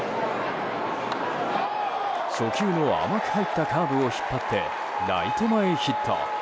初球の甘く入ったカーブを引っ張ってライト前ヒット。